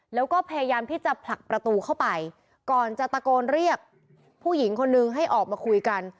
แล้วก็พยายามที่จะผลักประตูเข้าไปก่อนจะตะโกนเรียกผู้หญิงคนนึงให้ออกมาคุยกัน